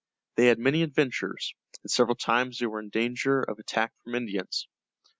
They had many adventures and several times they were in danger of attack from Indians.